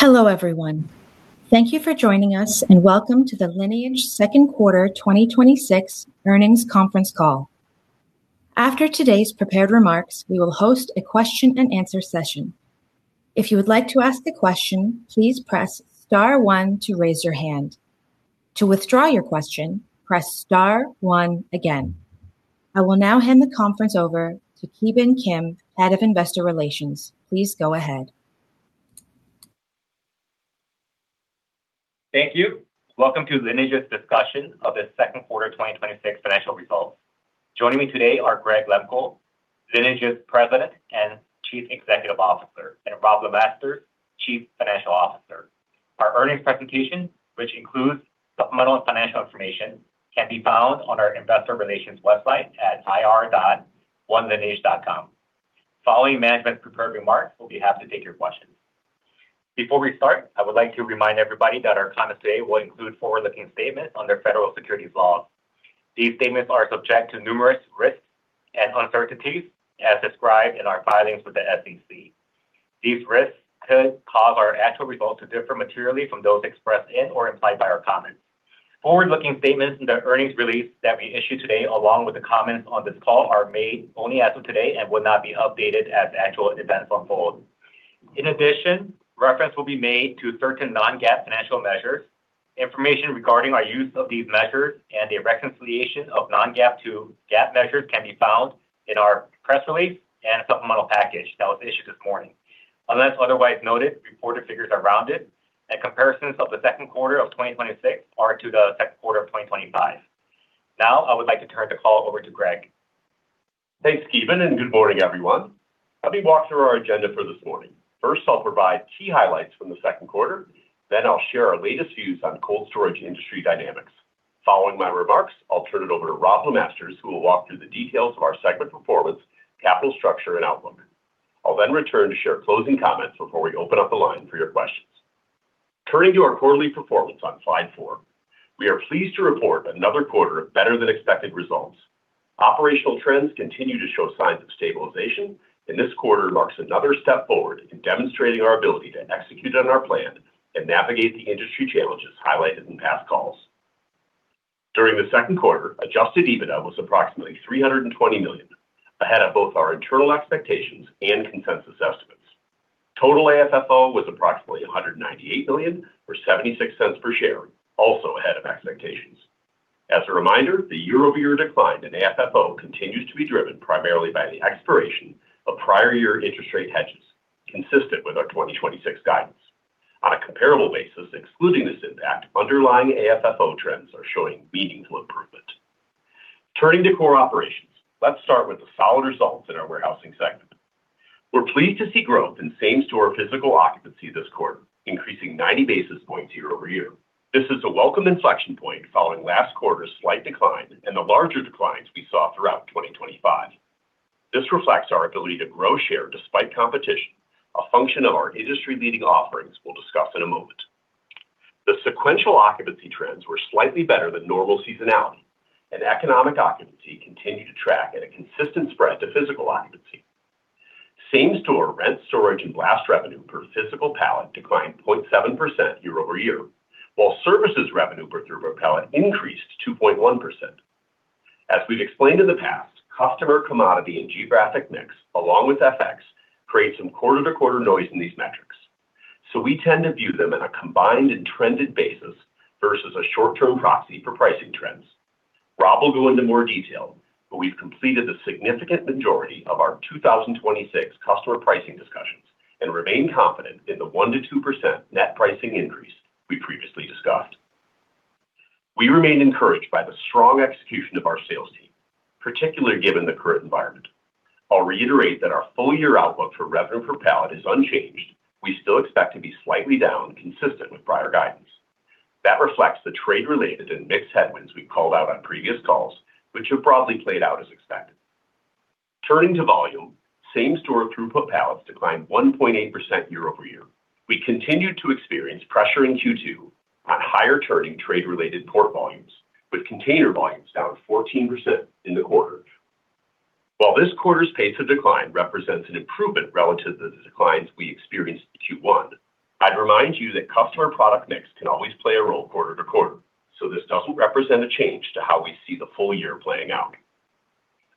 Hello, everyone. Thank you for joining us, and welcome to the Lineage second quarter 2026 earnings conference call. After today's prepared remarks, we will host a question-and-answer session. If you would like to ask a question, please press star one to raise your hand. To withdraw your question, press star one again. I will now hand the conference over to Ki Bin Kim, Head of Investor Relations. Please go ahead. Thank you. Welcome to Lineage's discussion of the second quarter 2026 financial results. Joining me today are Greg Lehmkuhl, Lineage's President and Chief Executive Officer, and Robb LeMasters, Chief Financial Officer. Our earnings presentation, which includes supplemental financial information, can be found on our investor relations website at ir.onelineage.com. Following management's prepared remarks, we will be happy to take your questions. Before we start, I would like to remind everybody that our comments today will include forward-looking statements under federal securities laws. These statements are subject to numerous risks and uncertainties as described in our filings with the SEC. These risks could cause our actual results to differ materially from those expressed in or implied by our comments. Forward-looking statements in the earnings release that we issue today, along with the comments on this call, are made only as of today and will not be updated as actual events unfold. In addition, reference will be made to certain non-GAAP financial measures. Information regarding our use of these measures and a reconciliation of non-GAAP to GAAP measures can be found in our press release and supplemental package that was issued this morning. Unless otherwise noted, reported figures are rounded, and comparisons of the second quarter of 2026 are to the second quarter of 2025. Now, I would like to turn the call over to Greg. Thanks, Ki Bin, and good morning, everyone. Let me walk through our agenda for this morning. First, I'll provide key highlights from the second quarter. I'll share our latest views on cold storage industry dynamics. Following my remarks, I'll turn it over to Robb LeMasters, who will walk through the details of our segment performance, capital structure, and outlook. I'll then return to share closing comments before we open up the line for your questions. Turning to our quarterly performance on slide four. We are pleased to report another quarter of better-than-expected results. Operational trends continue to show signs of stabilization, and this quarter marks another step forward in demonstrating our ability to execute on our plan and navigate the industry challenges highlighted in past calls. During the second quarter, adjusted EBITDA was approximately $320 million, ahead of both our internal expectations and consensus estimates. Total AFFO was approximately $198 million, or $0.76 per share, also ahead of expectations. As a reminder, the year-over-year decline in AFFO continues to be driven primarily by the expiration of prior year interest rate hedges, consistent with our 2026 guidance. On a comparable basis, excluding this impact, underlying AFFO trends are showing meaningful improvement. Turning to core operations. Let's start with the solid results in our warehousing segment. We're pleased to see growth in same-store physical occupancy this quarter, increasing 90 basis points year-over-year. This is a welcome inflection point following last quarter's slight decline and the larger declines we saw throughout 2025. This reflects our ability to grow share despite competition, a function of our industry-leading offerings we'll discuss in a moment. The sequential occupancy trends were slightly better than normal seasonality, and economic occupancy continued to track at a consistent spread to physical occupancy. Same-store rent, storage, and blast revenue per physical pallet declined 0.7% year-over-year, while services revenue per through pallet increased 2.1%. As we've explained in the past, customer commodity and geographic mix, along with FX, create some quarter-to-quarter noise in these metrics. We tend to view them in a combined and trended basis versus a short-term proxy for pricing trends. Rob will go into more detail, but we've completed the significant majority of our 2026 customer pricing discussions and remain confident in the 1%-2% net pricing increase we previously discussed. We remain encouraged by the strong execution of our sales team, particularly given the current environment. I'll reiterate that our full-year outlook for revenue per pallet is unchanged. We still expect to be slightly down consistent with prior guidance. That reflects the trade-related and mixed headwinds we've called out on previous calls, which have broadly played out as expected. Turning to volume. Same-store throughput pallets declined 1.8% year-over-year. We continued to experience pressure in Q2 on higher-turning trade-related port volumes, with container volumes down 14% in the quarter. While this quarter's pace of decline represents an improvement relative to the declines we experienced in Q1, I'd remind you that customer product mix can always play a role quarter-to-quarter, so this doesn't represent a change to how we see the full-year playing out.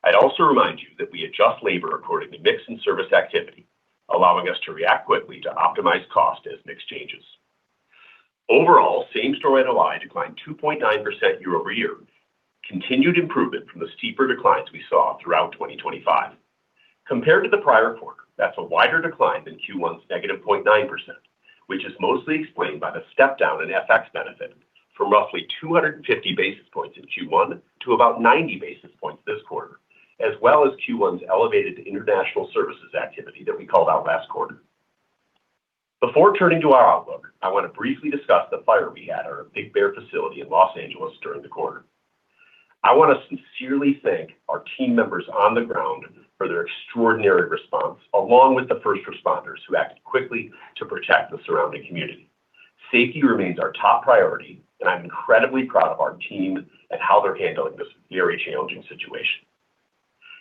I'd also remind you that we adjust labor according to mix and service activity, allowing us to react quickly to optimize cost as mix changes. Overall, same-store NOI declined 2.9% year-over-year. Continued improvement from the steeper declines we saw throughout 2025. Compared to the prior quarter, that's a wider decline than Q1's -0.9%, which is mostly explained by the step down in FX benefit from roughly 250 basis points in Q1 to about 90 basis points this quarter, as well as Q1's elevated international services activity that we called out last quarter. Before turning to our outlook, I want to briefly discuss the fire we had at our Big Bear facility in Los Angeles during the quarter. I want to sincerely thank our team members on the ground for their extraordinary response, along with the first responders who acted quickly to protect the surrounding community. Safety remains our top priority, and I'm incredibly proud of our team and how they're handling this very challenging situation.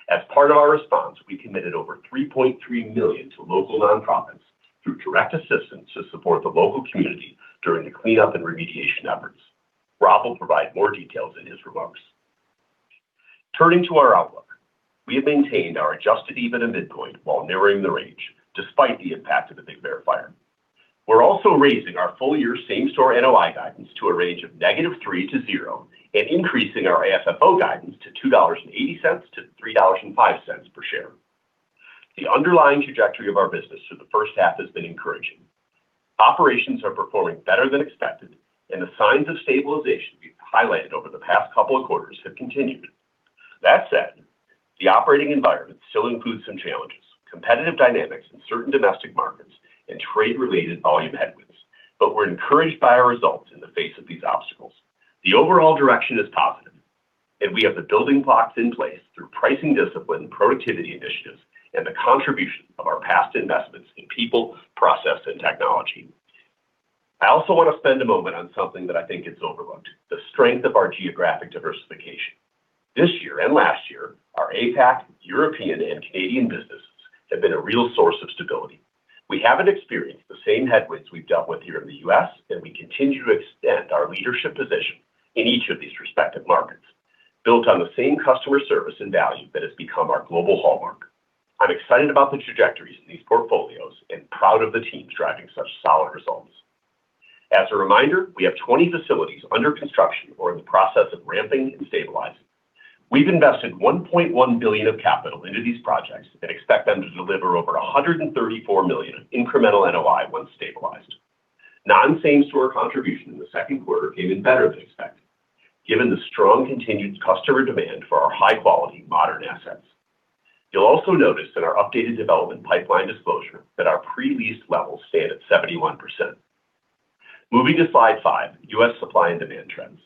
As part of our response, we committed over $3.3 million to local nonprofits through direct assistance to support the local community during the cleanup and remediation efforts. Rob will provide more details in his remarks. Turning to our outlook. We have maintained our adjusted EBITDA midpoint while narrowing the range despite the impact of the Big Bear fire. We're also raising our full year same store NOI guidance to a range of negative 3%-0% and increasing our AFFO guidance to $2.80-$3.05 per share. The underlying trajectory of our business through the first half has been encouraging. Operations are performing better than expected, and the signs of stabilization we've highlighted over the past couple of quarters have continued. That said, the operating environment still includes some challenges, competitive dynamics in certain domestic markets, and trade-related volume headwinds. We're encouraged by our results in the face of these obstacles. The overall direction is positive, and we have the building blocks in place through pricing discipline, productivity initiatives, and the contribution of our past investments in people, process, and technology. I also want to spend a moment on something that I think is overlooked, the strength of our geographic diversification. This year and last year, our APAC, European, and Canadian businesses have been a real source of stability. We haven't experienced the same headwinds we've dealt with here in the U.S., and we continue to extend our leadership position in each of these respective markets, built on the same customer service and value that has become our global hallmark. I'm excited about the trajectories in these portfolios and proud of the teams driving such solid results. As a reminder, we have 20 facilities under construction or in the process of ramping and stabilizing. We've invested $1.1 billion of capital into these projects and expect them to deliver over $134 million in incremental NOI once stabilized. Non-same store contribution in the second quarter came in better than expected, given the strong continued customer demand for our high-quality modern assets. You'll also notice in our updated development pipeline disclosure that our pre-lease levels stand at 71%. Moving to slide five, U.S. supply and demand trends.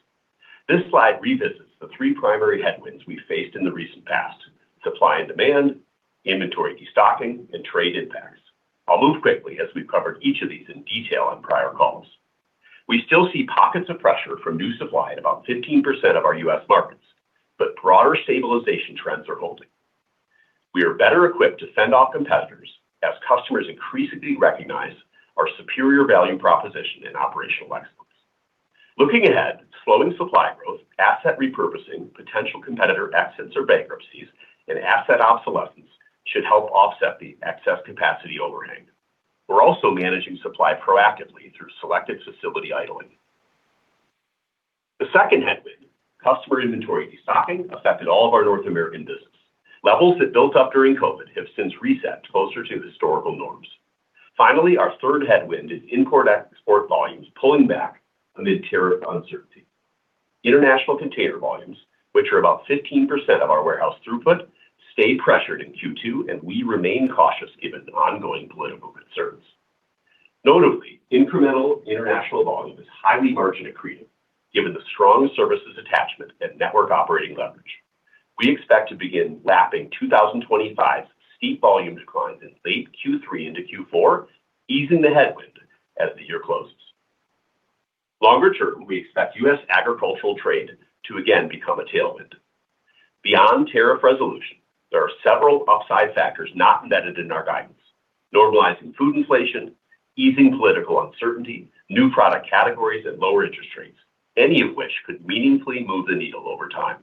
This slide revisits the three primary headwinds we faced in the recent past: supply and demand, inventory de-stocking, and trade impacts. I'll move quickly as we've covered each of these in detail on prior calls. We still see pockets of pressure from new supply at about 15% of our U.S. markets, but broader stabilization trends are holding. We are better equipped to fend off competitors as customers increasingly recognize our superior value proposition and operational excellence. Looking ahead, slowing supply growth, asset repurposing, potential competitor exits or bankruptcies, and asset obsolescence should help offset the excess capacity overhang. We're also managing supply proactively through selective facility idling. The second headwind, customer inventory de-stocking, affected all of our North American business. Levels that built up during COVID have since reset closer to historical norms. Finally, our third headwind is import/export volumes pulling back amid tariff uncertainty. International container volumes, which are about 15% of our warehouse throughput, stay pressured in Q2, and we remain cautious given ongoing political concerns. Notably, incremental international volume is highly margin accretive given the strong services attachment and network operating leverage. We expect to begin lapping 2025's steep volume declines in late Q3 into Q4, easing the headwind as the year closes. Longer term, we expect U.S. agricultural trade to again become a tailwind. Beyond tariff resolution, there are several upside factors not embedded in our guidance: normalizing food inflation, easing political uncertainty, new product categories, and lower interest rates, any of which could meaningfully move the needle over time.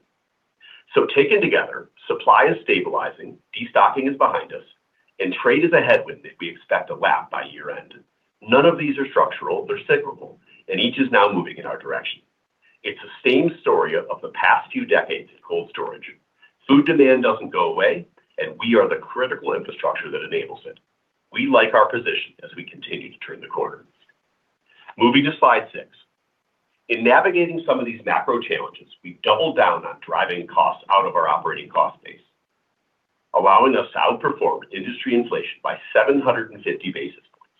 Taken together, supply is stabilizing, de-stocking is behind us, and trade is a headwind that we expect to lap by year-end. None of these are structural. They're cyclical, and each is now moving in our direction. It's the same story of the past few decades of cold storage. Food demand doesn't go away, and we are the critical infrastructure that enables it. We like our position as we continue to turn the corner. Moving to slide six. In navigating some of these macro challenges, we've doubled down on driving costs out of our operating cost base, allowing us to outperform industry inflation by 750 basis points.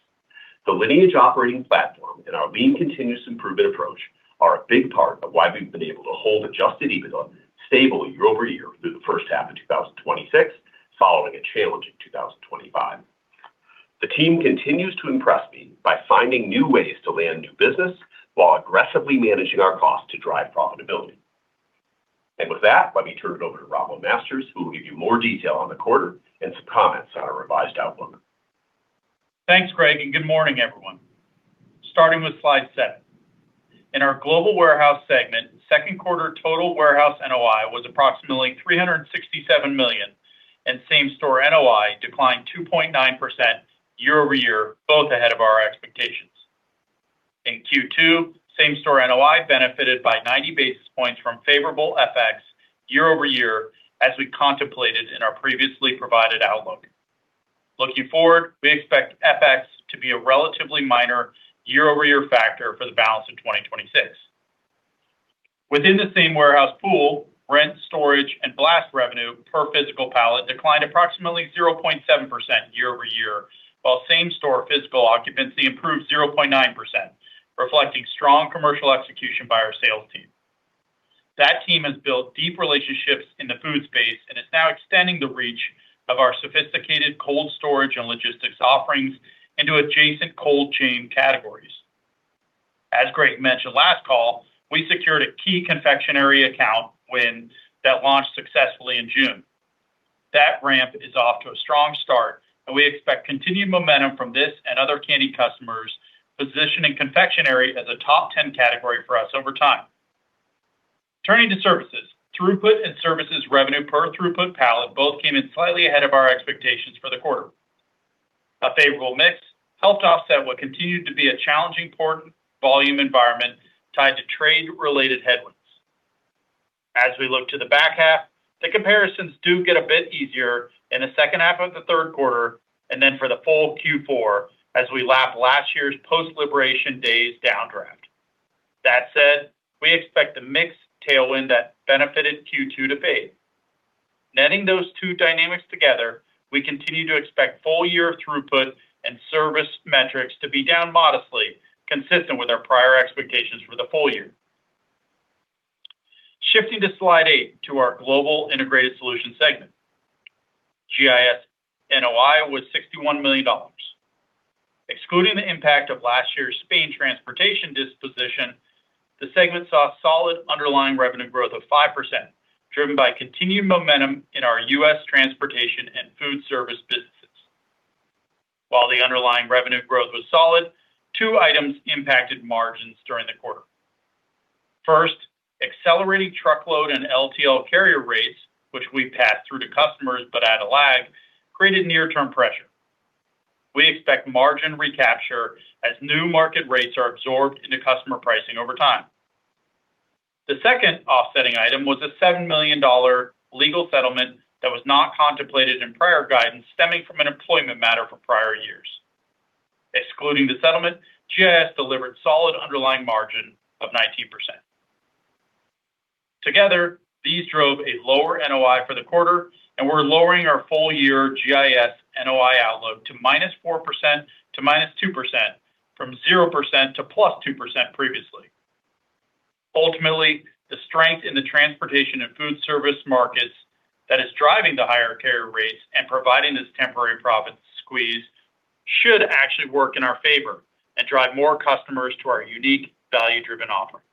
The Lineage operating platform and our lean continuous improvement approach are a big part of why we've been able to hold adjusted EBITDA stable year-over-year through the first half of 2026, following a challenging 2025. The team continues to impress me by finding new ways to land new business while aggressively managing our cost to drive profitability. With that, let me turn it over to Robb LeMasters, who will give you more detail on the quarter and some comments on our revised outlook. Thanks, Greg. Good morning, everyone. Starting with slide seven. In our Global Warehousing segment, second quarter total warehouse NOI was approximately $367 million, and same store NOI declined 2.9% year-over-year, both ahead of our expectations. In Q2, same store NOI benefited by 90 basis points from favorable FX year-over-year as we contemplated in our previously provided outlook. Looking forward, we expect FX to be a relatively minor year-over-year factor for the balance of 2026. Within the same warehouse pool, rent, storage, and blast revenue per physical pallet declined approximately 0.7% year-over-year, while same store physical occupancy improved 0.9%, reflecting strong commercial execution by our sales team. That team has built deep relationships in the food space and is now extending the reach of our sophisticated cold storage and logistics offerings into adjacent cold chain categories. As Greg mentioned last call, we secured a key confectionery account that launched successfully in June. That ramp is off to a strong start, and we expect continued momentum from this and other candy customers, positioning confectionery as a top 10 category for us over time. Turning to services. Throughput and services revenue per throughput pallet both came in slightly ahead of our expectations for the quarter. A favorable mix helped offset what continued to be a challenging port volume environment tied to trade-related headwinds. As we look to the back half, the comparisons do get a bit easier in the second half of the third quarter, and then for the full Q4 as we lap last year's post-Liberation Day downdraft. That said, we expect the mix tailwind that benefited Q2 to fade. Netting those two dynamics together, we continue to expect full-year throughput and service metrics to be down modestly, consistent with our prior expectations for the full year. Shifting to slide eight, to our Global Integrated Solutions segment. GIS NOI was $61 million. Excluding the impact of last year's Spain Transportation disposition, the segment saw solid underlying revenue growth of 5%, driven by continued momentum in our U.S. transportation and food service businesses. While the underlying revenue growth was solid, two items impacted margins during the quarter. First, accelerating truckload and LTL carrier rates, which we passed through to customers but at a lag, created near-term pressure. We expect margin recapture as new market rates are absorbed into customer pricing over time. The second offsetting item was a $7 million legal settlement that was not contemplated in prior guidance stemming from an employment matter for prior years. Excluding the settlement, GIS delivered solid underlying margin of 19%. Together, these drove a lower NOI for the quarter. We're lowering our full-year GIS NOI outlook to -4% to -2%, from 0% to +2% previously. Ultimately, the strength in the transportation and food service markets that is driving the higher carrier rates and providing this temporary profit squeeze should actually work in our favor and drive more customers to our unique value-driven offer.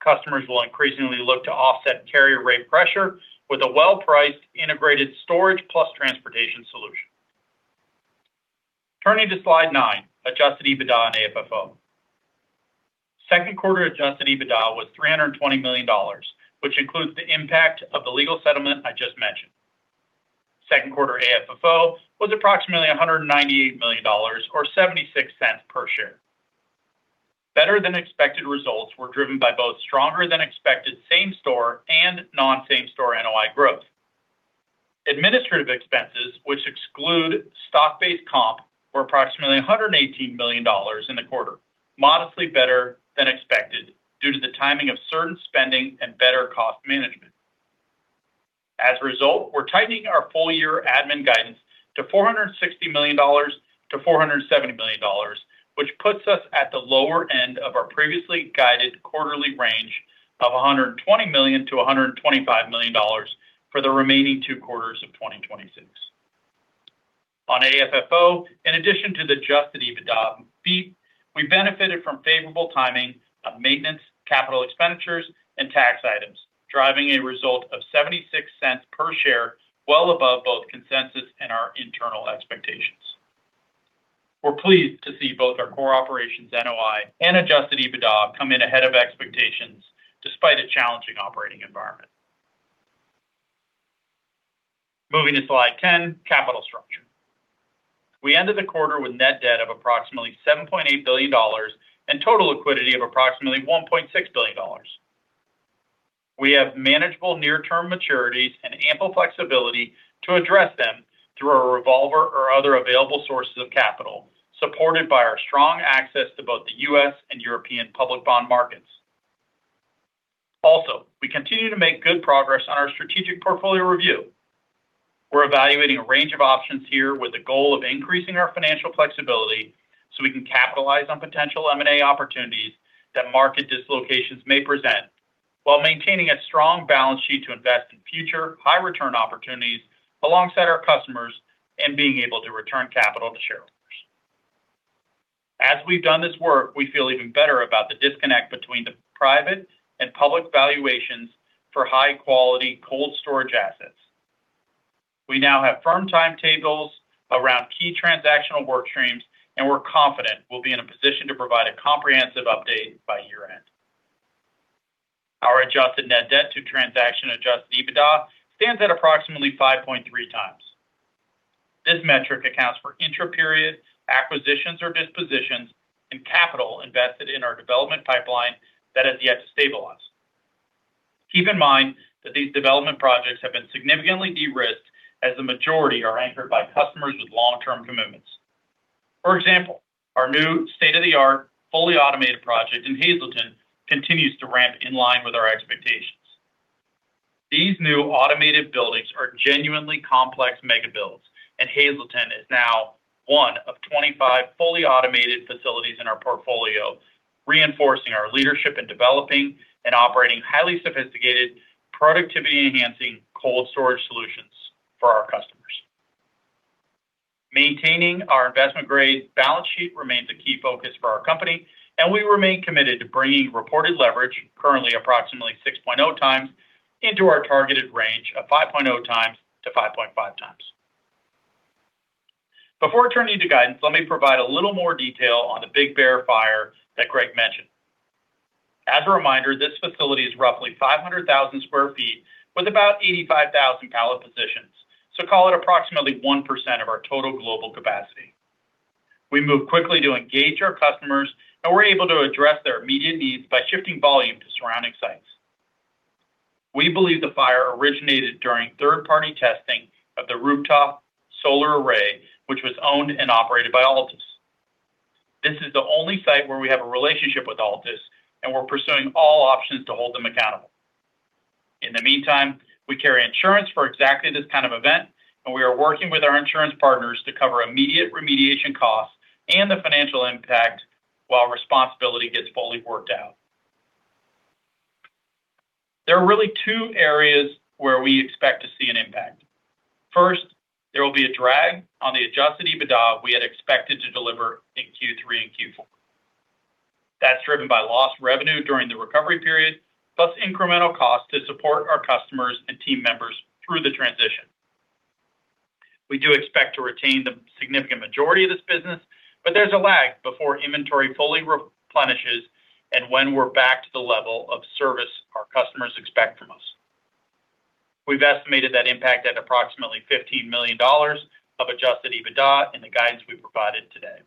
Customers will increasingly look to offset carrier rate pressure with a well-priced integrated storage plus transportation solution. Turning to slide nine, adjusted EBITDA and AFFO. Second quarter adjusted EBITDA was $320 million, which includes the impact of the legal settlement I just mentioned. Second quarter AFFO was approximately $198 million, or $0.76 per share. Better-than-expected results were driven by both stronger-than-expected same store and non-same store NOI growth. Administrative expenses, which exclude stock-based comp, were approximately $118 million in the quarter, modestly better than expected due to the timing of certain spending and better cost management. As a result, we're tightening our full-year admin guidance to $460 million-$470 million, which puts us at the lower end of our previously guided quarterly range of $120 million-$125 million for the remaining two quarters of 2026. On AFFO, in addition to the adjusted EBITDA beat, we benefited from favorable timing of maintenance, capital expenditures, and tax items, driving a result of $0.76 per share, well above both consensus and our internal expectations. We're pleased to see both our core operations NOI and adjusted EBITDA come in ahead of expectations, despite a challenging operating environment. Moving to slide 10, capital structure. We ended the quarter with net debt of approximately $7.8 billion and total liquidity of approximately $1.6 billion. We have manageable near-term maturities and ample flexibility to address them through our revolver or other available sources of capital, supported by our strong access to both the U.S. and European public bond markets. We continue to make good progress on our strategic portfolio review. We're evaluating a range of options here with the goal of increasing our financial flexibility so we can capitalize on potential M&A opportunities that market dislocations may present while maintaining a strong balance sheet to invest in future high-return opportunities alongside our customers and being able to return capital to shareholders. As we've done this work, we feel even better about the disconnect between the private and public valuations for high-quality cold storage assets. We now have firm timetables around key transactional work streams, and we're confident we'll be in a position to provide a comprehensive update by year-end. Our adjusted net debt to transaction-adjusted EBITDA stands at approximately 5.3x. This metric accounts for intra-period acquisitions or dispositions and capital invested in our development pipeline that has yet to stabilize. Keep in mind that these development projects have been significantly de-risked as the majority are anchored by customers with long-term commitments. For example, our new state-of-the-art, fully automated project in Hazleton continues to ramp in line with our expectations. These new automated buildings are genuinely complex mega builds, and Hazleton is now one of 25 fully automated facilities in our portfolio, reinforcing our leadership in developing and operating highly sophisticated, productivity-enhancing cold storage solutions for our customers. Maintaining our investment grade balance sheet remains a key focus for our company, and we remain committed to bringing reported leverage, currently approximately 6.0x, into our targeted range of 5.0x-5.5x. Before turning to guidance, let me provide a little more detail on the Big Bear fire that Greg mentioned. As a reminder, this facility is roughly 500,000 sq ft with about 85,000 pallet positions. Call it approximately 1% of our total global capacity. We moved quickly to engage our customers, and were able to address their immediate needs by shifting volume to surrounding sites. We believe the fire originated during third-party testing of the rooftop solar array, which was owned and operated by Altus. This is the only site where we have a relationship with Altus, and we're pursuing all options to hold them accountable. In the meantime, we carry insurance for exactly this kind of event, and we are working with our insurance partners to cover immediate remediation costs and the financial impact while responsibility gets fully worked out. There are really two areas where we expect to see an impact. First, there will be a drag on the adjusted EBITDA we had expected to deliver in Q3 and Q4. That's driven by lost revenue during the recovery period, plus incremental cost to support our customers and team members through the transition. We do expect to retain the significant majority of this business, there's a lag before inventory fully replenishes and when we're back to the level of service our customers expect from us. We've estimated that impact at approximately $15 million of adjusted EBITDA in the guidance we've provided today.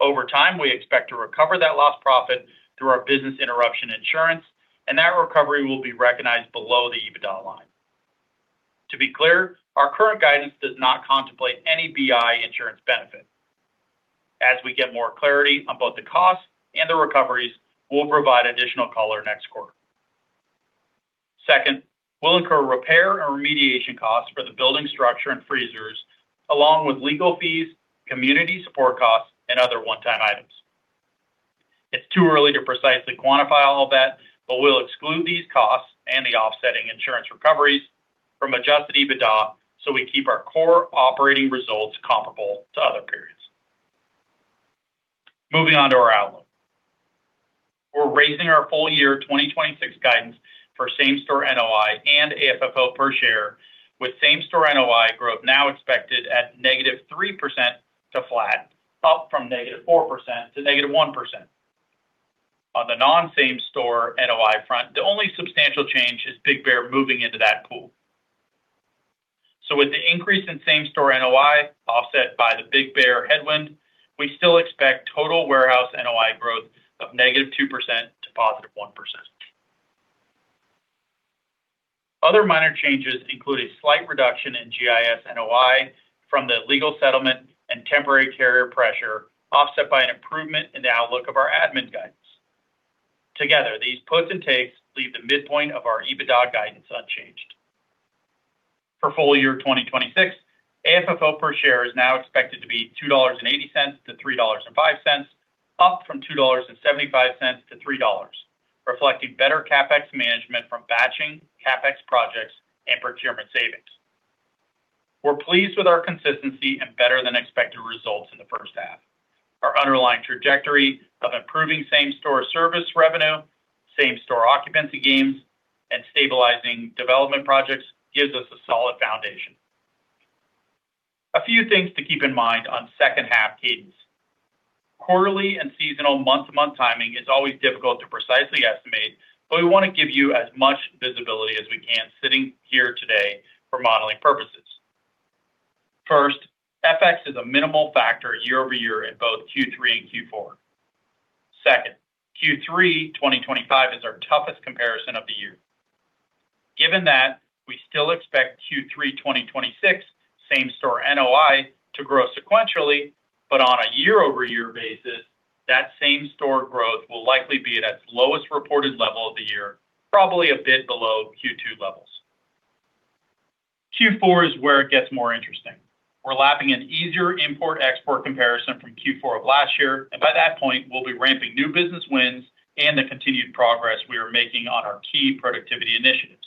Over time, we expect to recover that lost profit through our business interruption insurance, and that recovery will be recognized below the EBITDA line. To be clear, our current guidance does not contemplate any BI insurance benefit. As we get more clarity on both the costs and the recoveries, we'll provide additional color next quarter. Second, we'll incur repair and remediation costs for the building structure and freezers, along with legal fees, community support costs, and other one-time items. It's too early to precisely quantify all of that, but we'll exclude these costs and the offsetting insurance recoveries from adjusted EBITDA, so we keep our core operating results comparable to other periods. Moving on to our outlook. We're raising our full year 2026 guidance for same store NOI and AFFO per share, with same store NOI growth now expected at -3% to flat, up from -4% to -1%. On the non-same store NOI front, the only substantial change is Big Bear moving into that pool. With the increase in same store NOI offset by the Big Bear headwind, we still expect total warehouse NOI growth of -2% to +1%. Other minor changes include a slight reduction in GIS NOI from the legal settlement and temporary carrier pressure, offset by an improvement in the outlook of our admin guidance. Together, these puts and takes leave the midpoint of our EBITDA guidance unchanged. For full year 2026, AFFO per share is now expected to be $2.80-$3.05, up from $2.75-$3.00, reflecting better CapEx management from batching CapEx projects and procurement savings. We're pleased with our consistency and better than expected results in the first half. Our underlying trajectory of improving same store service revenue, same store occupancy gains, and stabilizing development projects gives us a solid foundation. A few things to keep in mind on second half cadence. Quarterly and seasonal month-to-month timing is always difficult to precisely estimate, but we want to give you as much visibility as we can sitting here today for modeling purposes. First, FX is a minimal factor year-over-year in both Q3 and Q4. Second, Q3 2025 is our toughest comparison of the year. Given that, we still expect Q3 2026 same store NOI to grow sequentially, but on a year-over-year basis, that same store growth will likely be at its lowest reported level of the year, probably a bit below Q2 levels. Q4 is where it gets more interesting. We're lapping an easier import-export comparison from Q4 of last year, and by that point, we'll be ramping new business wins and the continued progress we are making on our key productivity initiatives.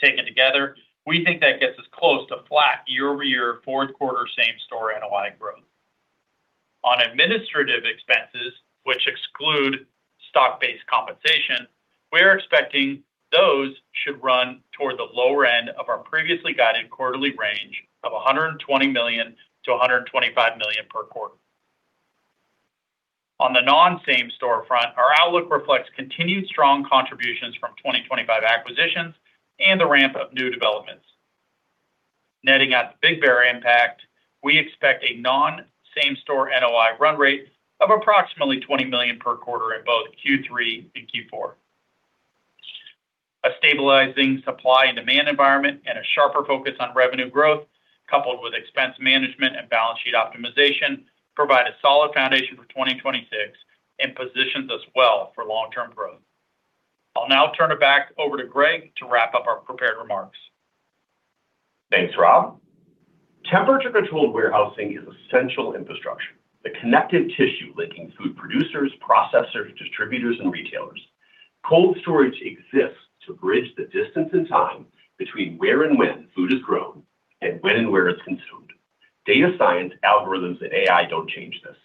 Taken together, we think that gets us close to flat year-over-year fourth quarter same store NOI growth. On administrative expenses, which exclude stock-based compensation, we're expecting those should run toward the lower end of our previously guided quarterly range of $120 million-$125 million per quarter. On the non-same store front, our outlook reflects continued strong contributions from 2025 acquisitions and the ramp up new developments. Netting out the Big Bear impact, we expect a non-same store NOI run rate of approximately $20 million per quarter in both Q3 and Q4. A stabilizing supply and demand environment and a sharper focus on revenue growth, coupled with expense management and balance sheet optimization provide a solid foundation for 2026 and positions us well for long-term growth. I'll now turn it back over to Greg to wrap up our prepared remarks. Thanks, Robb. Temperature controlled warehousing is essential infrastructure, the connective tissue linking food producers, processors, distributors, and retailers. Cold storage exists to bridge the distance and time between where and when food is grown and when and where it's consumed. Data science algorithms and AI don't change this.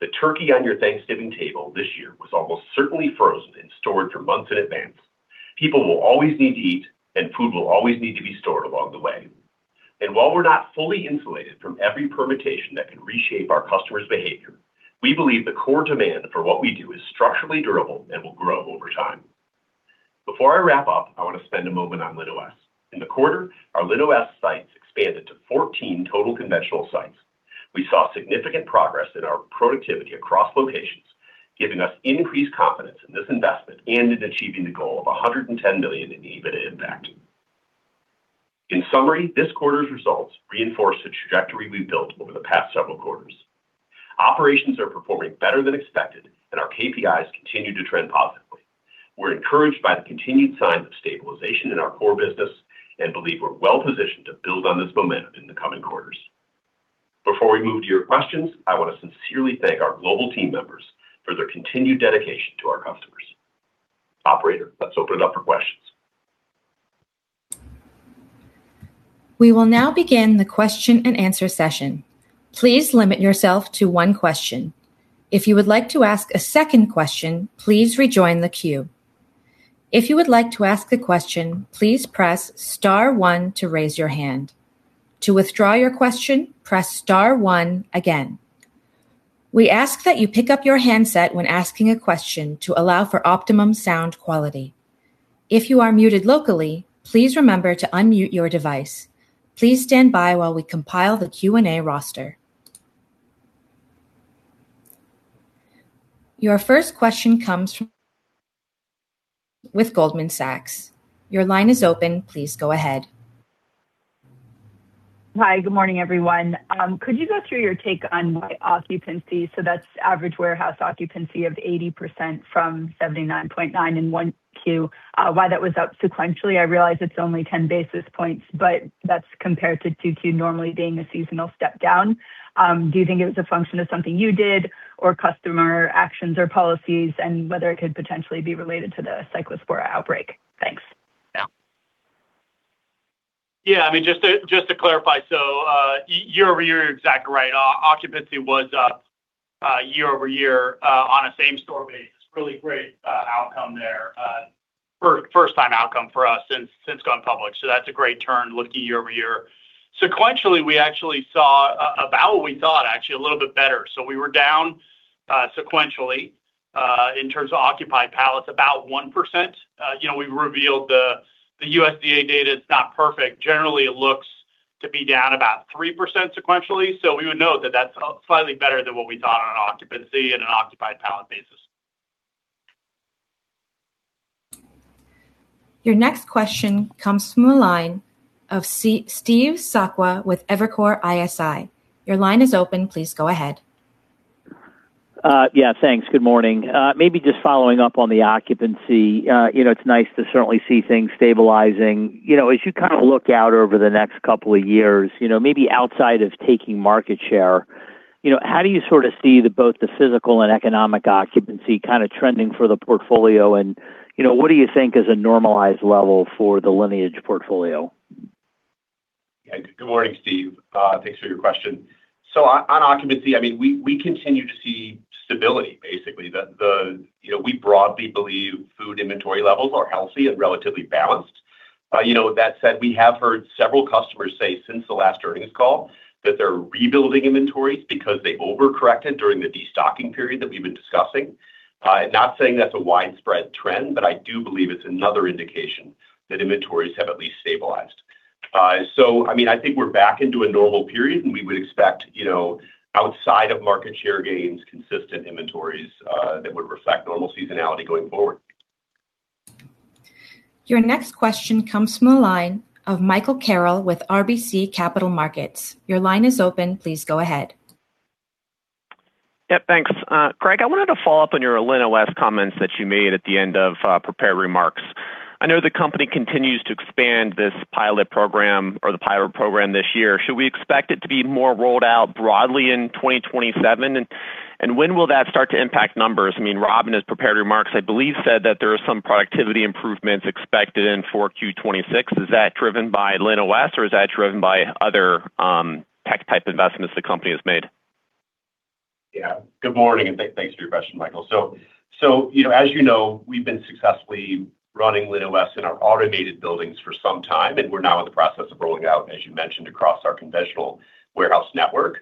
The turkey on your Thanksgiving table this year was almost certainly frozen and stored for months in advance. People will always need to eat, and food will always need to be stored along the way. While we're not fully insulated from every permutation that can reshape our customers' behavior, we believe the core demand for what we do is structurally durable and will grow over time. Before I wrap up, I want to spend a moment on LinOS. In the quarter, our LinOS sites expanded to 14 total conventional sites. We saw significant progress in our productivity across locations, giving us increased confidence in this investment and in achieving the goal of $110 million in EBIT impact. In summary, this quarter's results reinforce the trajectory we've built over the past several quarters. Operations are performing better than expected, and our KPIs continue to trend positively. We're encouraged by the continued signs of stabilization in our core business and believe we're well-positioned to build on this momentum in the coming quarters. Before we move to your questions, I want to sincerely thank our global team members for their continued dedication to our customers. Operator, let's open it up for questions. We will now begin the question-and-answer session. Please limit yourself to one question. If you would like to ask a second question, please rejoin the queue. If you would like to ask a question, please press star one to raise your hand. To withdraw your question, press star one again. We ask that you pick up your handset when asking a question to allow for optimum sound quality. If you are muted locally, please remember to unmute your device. Please stand by while we compile the Q&A roster. Your first question comes from with Goldman Sachs. Your line is open. Please go ahead. Hi, good morning, everyone. Could you go through your take on why occupancy, so that's average warehouse occupancy of 80% from 79.9% in 1Q, why that was up sequentially? I realize it's only 10 basis points, but that's compared to 2Q normally being a seasonal step down. Do you think it was a function of something you did or customer actions or policies, and whether it could potentially be related to the Cyclospora outbreak? Thanks. Yeah. Just to clarify, year-over-year, you're exactly right. Our occupancy was up year-over-year on a same-store basis. Really great outcome there. First time outcome for us since going public, that's a great turn looking year-over-year. Sequentially, we actually saw about what we thought, actually, a little bit better. We were down sequentially, in terms of occupied pallets, about 1%. We've revealed the USDA data is not perfect. Generally, it looks to be down about 3% sequentially. We would note that that's slightly better than what we thought on an occupancy and an occupied pallet basis. Your next question comes from the line of Steve Sakwa with Evercore ISI. Your line is open. Please go ahead. Yeah, thanks. Good morning. Maybe just following up on the occupancy. It's nice to certainly see things stabilizing. As you look out over the next couple of years, maybe outside of taking market share, how do you sort of see both the physical and economic occupancy kind of trending for the portfolio and what do you think is a normalized level for the Lineage portfolio? Good morning, Steve. Thanks for your question. On occupancy, we continue to see stability, basically. We broadly believe food inventory levels are healthy and relatively balanced. That said, we have heard several customers say since the last earnings call that they're rebuilding inventories because they over-corrected during the de-stocking period that we've been discussing. Not saying that's a widespread trend, but I do believe it's another indication that inventories have at least stabilized. I think we're back into a normal period, and we would expect, outside of market share gains, consistent inventories that would reflect normal seasonality going forward. Your next question comes from the line of Michael Carroll with RBC Capital Markets. Your line is open. Please go ahead. Yeah, thanks. Greg, I wanted to follow up on your LinOS comments that you made at the end of prepared remarks. I know the company continues to expand this pilot program or the pilot program this year. Should we expect it to be more rolled out broadly in 2027? When will that start to impact numbers? Robb, in his prepared remarks, I believe, said that there are some productivity improvements expected in 4Q26. Is that driven by LinOS, or is that driven by other tech type investments the company has made? Yeah. Good morning, and thanks for your question, Michael. As you know, we've been successfully running LinOS in our automated buildings for some time, and we're now in the process of rolling out, as you mentioned, across our conventional warehouse network.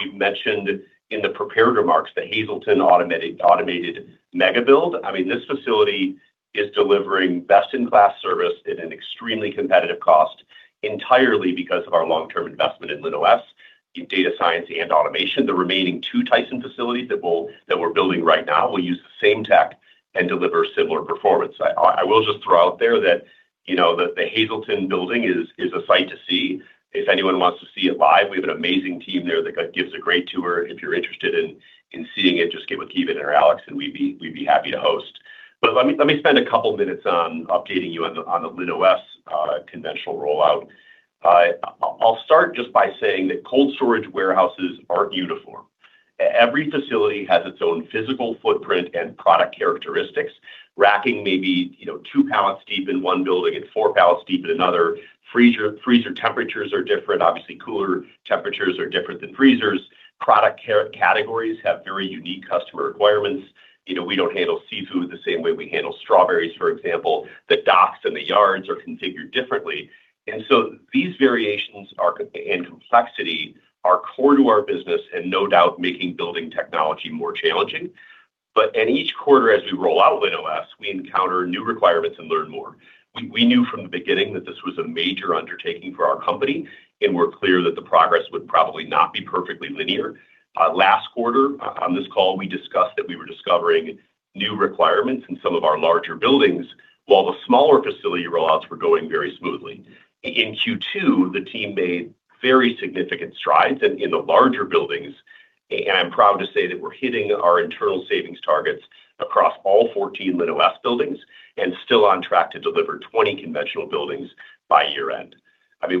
We've mentioned in the prepared remarks, the Hazleton automated mega build. This facility is delivering best-in-class service at an extremely competitive cost entirely because of our long-term investment in LinOS, in data science and automation. The remaining two Tyson facilities that we're building right now will use the same tech and deliver similar performance. I will just throw out there that the Hazleton building is a sight to see. If anyone wants to see it live, we have an amazing team there that gives a great tour. If you're interested in seeing it, just get with Ki Bin Kim or Alex, and we'd be happy to host. Let me spend a couple minutes on updating you on the LinOS conventional rollout. I'll start just by saying that cold storage warehouses aren't uniform. Every facility has its own physical footprint and product characteristics. Racking may be two pallets deep in one building and four pallets deep in another. Freezer temperatures are different. Obviously, cooler temperatures are different than freezers. Product categories have very unique customer requirements. We don't handle seafood the same way we handle strawberries, for example. The docks and the yards are configured differently. These variations and complexity are core to our business and no doubt making building technology more challenging. In each quarter, as we roll out LinOS, we encounter new requirements and learn more. We knew from the beginning that this was a major undertaking for our company, and we're clear that the progress would probably not be perfectly linear. Last quarter, on this call, we discussed that we were discovering new requirements in some of our larger buildings while the smaller facility roll-outs were going very smoothly. In Q2, the team made very significant strides in the larger buildings, and I'm proud to say that we're hitting our internal savings targets across all 14 LinOS buildings and still on track to deliver 20 conventional buildings by year-end.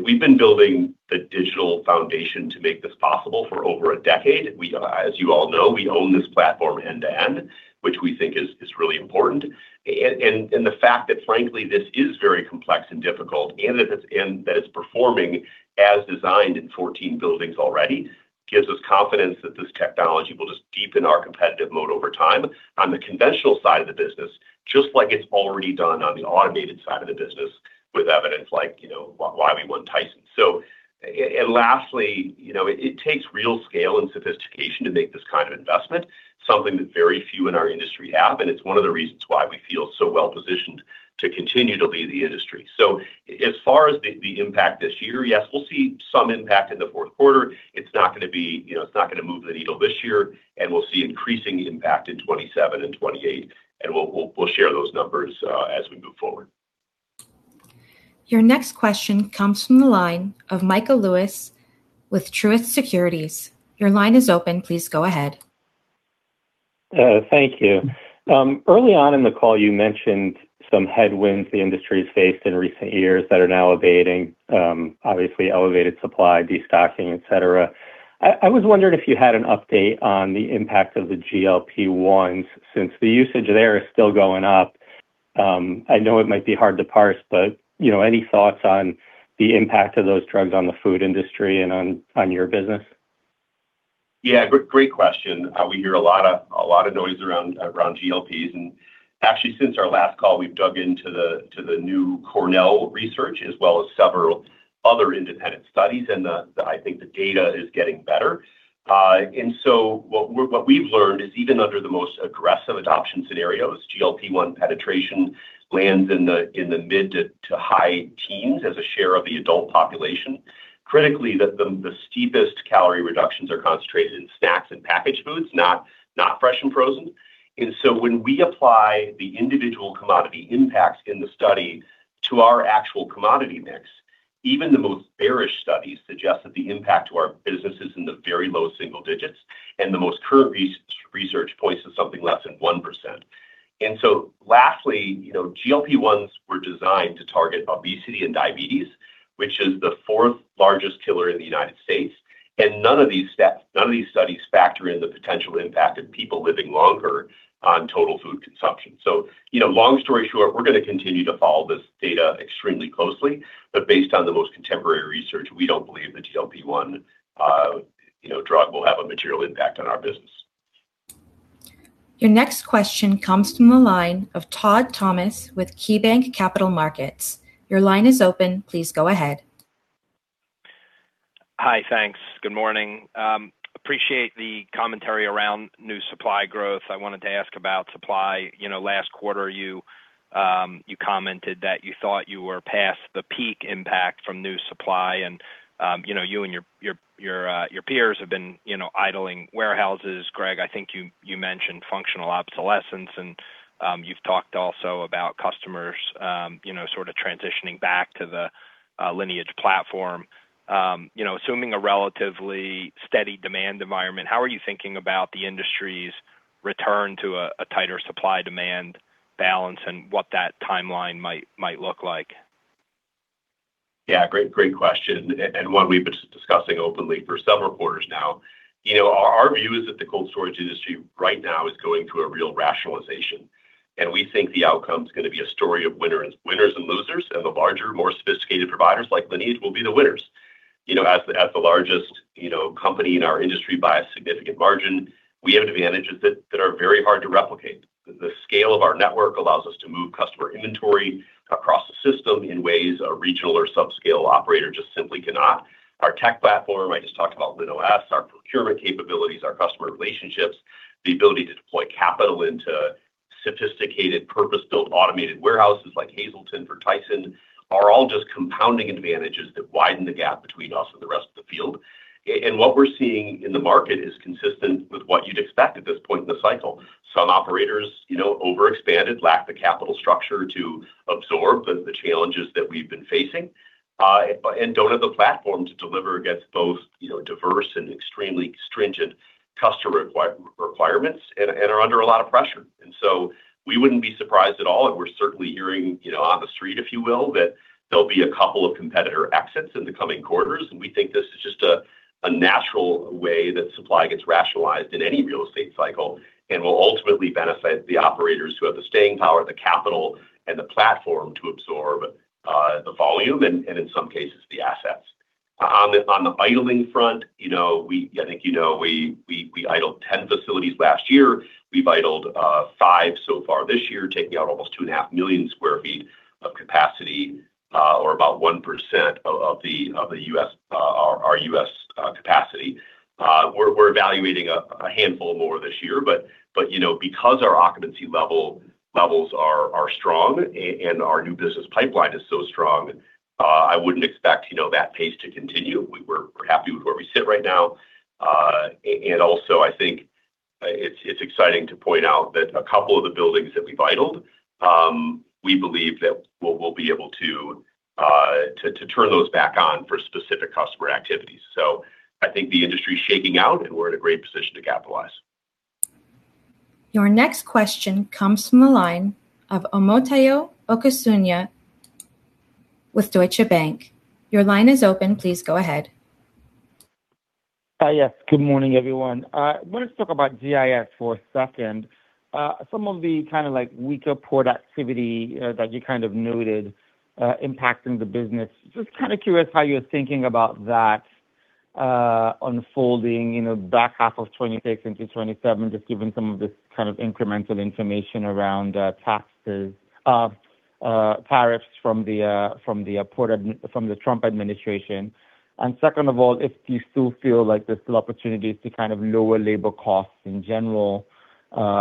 We've been building the digital foundation to make this possible for over a decade. As you all know, we own this platform end to end, which we think is really important. The fact that frankly, this is very complex and difficult and that it's performing as designed in 14 buildings already, gives us confidence that this technology will just deepen our competitive moat over time on the conventional side of the business, just like it's already done on the automated side of the business with evidence like why we won Tyson. Lastly, it takes real scale and sophistication to make this kind of investment, something that very few in our industry have, and it's one of the reasons why we feel so well-positioned to continue to lead the industry. As far as the impact this year, yes, we'll see some impact in the fourth quarter. It's not going to move the needle this year, and we'll see increasing impact in 2027 and 2028, and we'll share those numbers as we move forward. Your next question comes from the line of Michael Lewis with Truist Securities. Your line is open. Please go ahead. Thank you. Early on in the call, you mentioned some headwinds the industry's faced in recent years that are now abating, obviously elevated supply, destocking, et cetera. I was wondering if you had an update on the impact of the GLP-1s since the usage there is still going up. I know it might be hard to parse, but any thoughts on the impact of those drugs on the food industry and on your business? Yeah, great question. We hear a lot of noise around GLP-1s. Actually, since our last call, we've dug into the new Cornell research as well as several other independent studies, and I think the data is getting better. What we've learned is even under the most aggressive adoption scenarios, GLP-1 penetration lands in the mid to high teens as a share of the adult population. Critically, the steepest calorie reductions are concentrated in snacks and packaged foods, not fresh and frozen. When we apply the individual commodity impacts in the study to our actual commodity mix, even the most bearish studies suggest that the impact to our business is in the very low single digits, and the most current research points to something less than 1%. Lastly, GLP-1s were designed to target obesity and diabetes, which is the fourth largest killer in the United States. None of these studies factor in the potential impact of people living longer on total food consumption. Long story short, we're going to continue to follow this data extremely closely, but based on the most contemporary research, we don't believe the GLP-1 drug will have a material impact on our business. Your next question comes from the line of Todd Thomas with KeyBanc Capital Markets. Your line is open. Please go ahead. Hi, thanks. Good morning. Appreciate the commentary around new supply growth. I wanted to ask about supply. Last quarter, you commented that you thought you were past the peak impact from new supply, and you and your peers have been idling warehouses. Greg, I think you mentioned functional obsolescence, and you've talked also about customers sort of transitioning back to the Lineage platform. Assuming a relatively steady demand environment, how are you thinking about the industry's return to a tighter supply-demand balance and what that timeline might look like? Yeah. Great question. One we've been discussing openly for some reporters now. Our view is that the cold storage industry right now is going through a real rationalization. We think the outcome's going to be a story of winners and losers. The larger, more sophisticated providers like Lineage will be the winners. As the largest company in our industry by a significant margin, we have advantages that are very hard to replicate. The scale of our network allows us to move customer inventory across the system in ways a regional or sub-scale operator just simply cannot. Our tech platform, I just talked about LinOS, our procurement capabilities, our customer relationships, the ability to deploy capital into sophisticated, purpose-built automated warehouses like Hazleton for Tyson, are all just compounding advantages that widen the gap between us and the rest of the field. What we're seeing in the market is consistent with what you'd expect at this point in the cycle. Some operators overexpanded, lack the capital structure to absorb the challenges that we've been facing, and don't have the platform to deliver against both diverse and extremely stringent customer requirements and are under a lot of pressure. We wouldn't be surprised at all, and we're certainly hearing on the street, if you will, that there'll be a couple of competitor exits in the coming quarters. We think this is just a natural way that supply gets rationalized in any real estate cycle and will ultimately benefit the operators who have the staying power, the capital, and the platform to absorb the volume and in some cases, the assets. On the idling front, I think you know we idled 10 facilities last year. We've idled five so far this year, taking out almost 2.5 million square feet of capacity, or about 1% of our U.S. capacity. We're evaluating a handful more this year, but because our occupancy levels are strong and our new business pipeline is so strong, I wouldn't expect that pace to continue. We're happy with where we sit right now. Also, I think it's exciting to point out that a couple of the buildings that we've idled, we believe that we'll be able to turn those back on for specific customer activities. I think the industry's shaking out, and we're in a great position to capitalize. Your next question comes from the line of Omotayo Okusanya with Deutsche Bank. Your line is open. Please go ahead. Hi. Yes, good morning, everyone. I want to talk about GIS for a second. Some of the kind of weaker port activity that you kind of noted impacting the business. Just kind of curious how you're thinking about that unfolding back half of 2026 into 2027, just given some of this kind of incremental information around tariffs from the Trump Administration. Second of all, if you still feel like there's still opportunities to kind of lower labor costs in general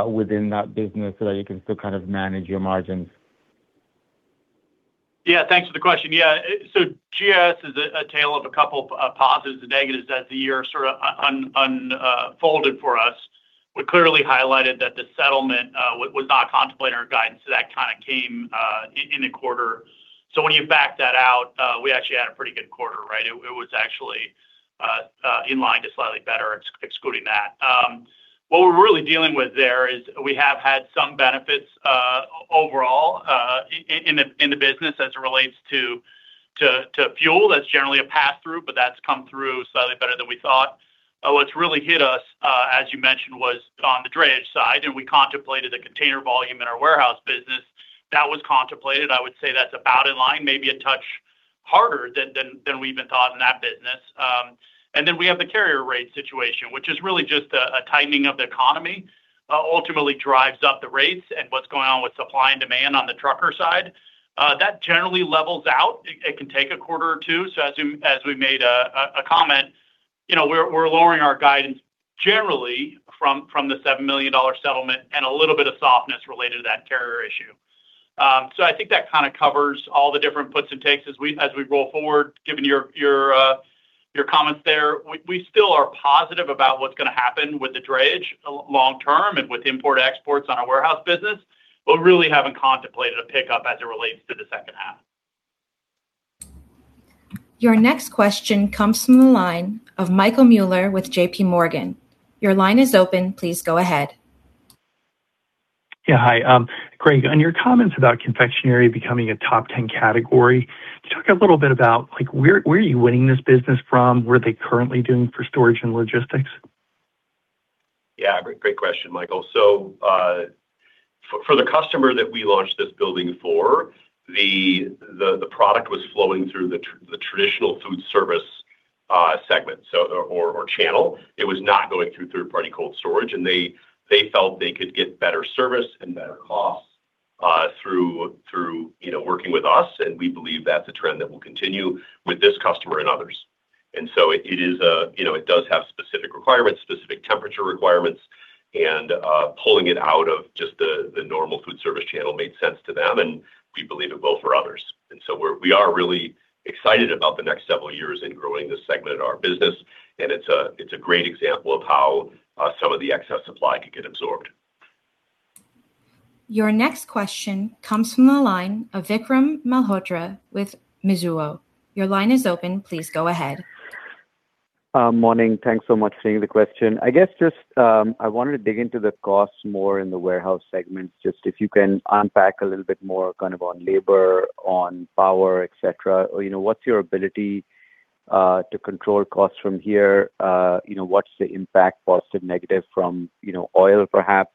within that business so that you can still kind of manage your margins. Yeah. Thanks for the question. Yeah, GIS is a tale of a couple of positives and negatives as the year sort of unfolded for us. We clearly highlighted that the settlement was not contemplated in our guidance, that kind of came in the quarter. When you back that out, we actually had a pretty good quarter, right? It was actually in line to slightly better excluding that. What we're really dealing with there is we have had some benefits, overall, in the business as it relates to fuel. That's generally a pass-through, but that's come through slightly better than we thought. What's really hit us, as you mentioned, was on the drayage side, we contemplated the container volume in our warehouse business. That was contemplated. I would say that's about in line, maybe a touch harder than we even thought in that business. Then we have the carrier rate situation, which is really just a tightening of the economy, ultimately drives up the rates and what's going on with supply and demand on the trucker side. That generally levels out. It can take a quarter or two. As we made a comment, we're lowering our guidance generally from the $7 million settlement and a little bit of softness related to that carrier issue. I think that kind of covers all the different puts and takes as we roll forward, given your comments there. We still are positive about what's going to happen with the drayage long term and with import exports on our warehouse business, really haven't contemplated a pickup as it relates to the second half. Your next question comes from the line of Michael Mueller with JPMorgan. Your line is open. Please go ahead. Yeah. Hi. Greg, on your comments about confectionery becoming a top 10 category, can you talk a little bit about where are you winning this business from? Where are they currently doing for storage and logistics? Yeah. Great question, Michael. For the customer that we launched this building for, the product was flowing through the traditional food service segment or channel. It was not going through third-party cold storage, and they felt they could get better service and better costs through working with us, and we believe that's a trend that will continue with this customer and others. It does have specific requirements, specific temperature requirements, and pulling it out of just the normal food service channel made sense to them, and we believe it will for others. We are really excited about the next several years in growing this segment of our business, and it's a great example of how some of the excess supply can get absorbed. Your next question comes from the line of Vikram Malhotra with Mizuho. Your line is open. Please go ahead. Morning. Thanks so much for taking the question. I guess just, I wanted to dig into the costs more in the warehouse segment, just if you can unpack a little bit more kind of on labor, on power, et cetera, or what's your ability to control costs from here? What's the impact, positive, negative from oil perhaps?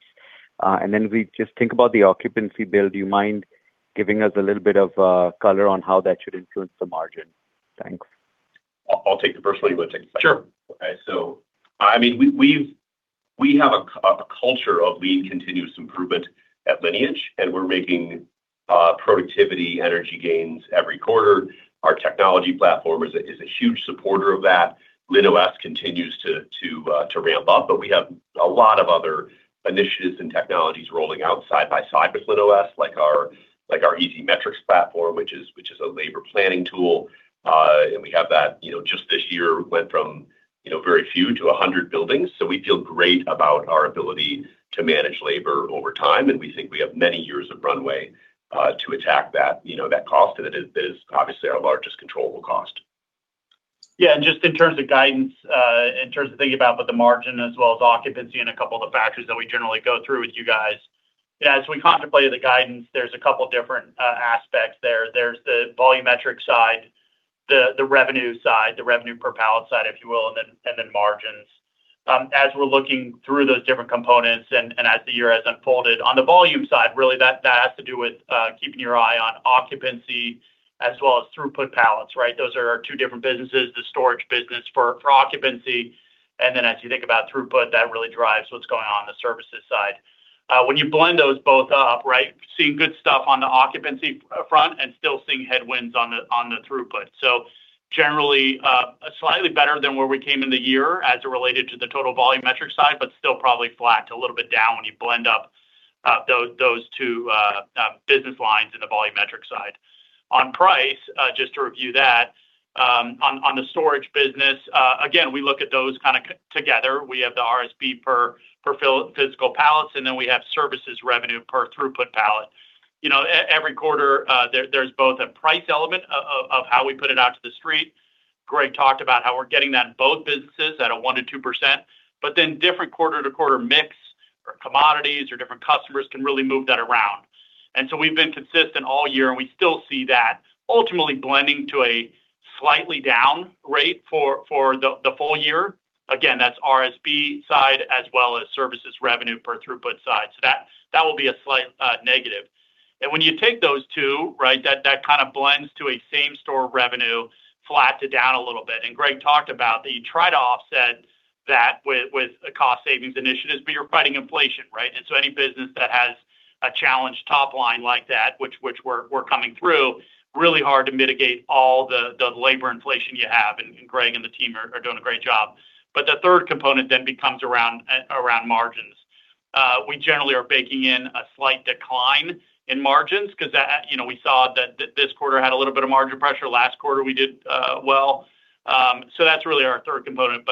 Then if we just think about the occupancy build, do you mind giving us a little bit of color on how that should influence the margin? Thanks. I'll take it first. You want to take a second? Sure. Okay. We have a culture of lean continuous improvement at Lineage, and we're making productivity energy gains every quarter. Our technology platform is a huge supporter of that. LinOS continues to ramp up, but we have a lot of other initiatives and technologies rolling out side by side with LinOS, like our Easy Metrics platform, which is a labor planning tool. We have that just this year went from very few to 100 buildings. We feel great about our ability to manage labor over time, and we think we have many years of runway to attack that cost. That is obviously our largest controllable cost. Yeah, just in terms of guidance, in terms of thinking about the margin as well as occupancy and a couple of the factors that we generally go through with you guys. As we contemplated the guidance, there's a couple different aspects there. There's the volumetric side, the revenue side, the revenue per pallet side, if you will, and then margins. As we're looking through those different components and as the year has unfolded, on the volume side, really that has to do with keeping your eye on occupancy as well as throughput pallets. Those are our two different businesses, the storage business for occupancy, and then as you think about throughput, that really drives what's going on on the services side. When you blend those both up, seeing good stuff on the occupancy front and still seeing headwinds on the throughput. Generally, slightly better than where we came in the year as it related to the total volume metric side, but still probably flat a little bit down when you blend up those two business lines in the volumetric side. On price, just to review that. On the storage business, again, we look at those kind of together. We have the RSB per physical pallets, and then we have services revenue per throughput pallet. Every quarter, there's both a price element of how we put it out to the street. Greg talked about how we're getting that in both businesses at a 1%-2%, but then different quarter-to-quarter mix for commodities or different customers can really move that around. We've been consistent all year, and we still see that ultimately blending to a slightly down rate for the full year. That's RSB side as well as services revenue per throughput side. That will be a slight negative. When you take those two, that kind of blends to a same-store revenue flat to down a little bit. Greg talked about that you try to offset that with a cost savings initiatives, but you're fighting inflation, right? Any business that has a challenged top line like that, which we're coming through, really hard to mitigate all the labor inflation you have, and Greg and the team are doing a great job. The third component then becomes around margins. We generally are baking in a slight decline in margins because we saw that this quarter had a little bit of margin pressure. Last quarter, we did well. That's really our third component,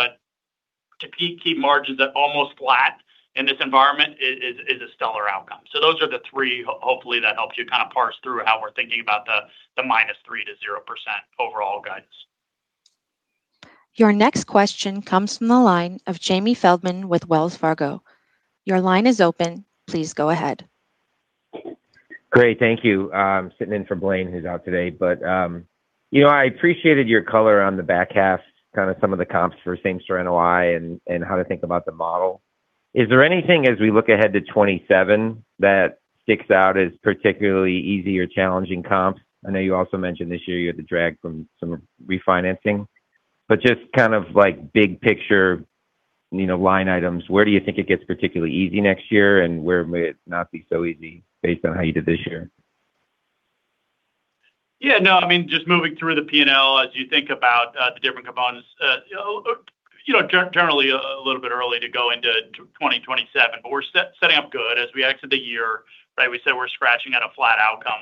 to keep margins at almost flat in this environment is a stellar outcome. Those are the three. Hopefully, that helps you kind of parse through how we're thinking about the -3% to 0% overall guidance. Your next question comes from the line of Jamie Feldman with Wells Fargo. Your line is open. Please go ahead. Great. Thank you. I'm sitting in for Blaine, who's out today. I appreciated your color on the back half, kind of some of the comps for same store NOI and how to think about the model. Is there anything as we look ahead to 2027 that sticks out as particularly easy or challenging comps? I know you also mentioned this year you had the drag from some refinancing. Just kind of big picture line items. Where do you think it gets particularly easy next year, and where may it not be so easy based on how you did this year? Just moving through the P&L as you think about the different components. Generally a little bit early to go into 2027, but we're setting up good as we exit the year. We said we're scratching at a flat outcome.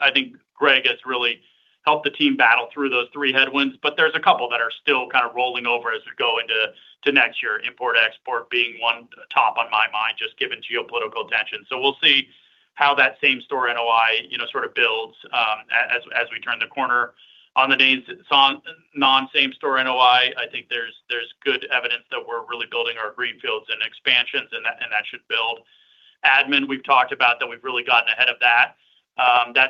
I think Greg has really helped the team battle through those three headwinds, but there's a couple that are still kind of rolling over as we go into next year, import/export being one top on my mind, just given geopolitical tension. We'll see how that same store NOI sort of builds as we turn the corner. On the non-same store NOI, I think there's good evidence that we're really building our greenfields and expansions, and that should build. Admin, we've talked about that.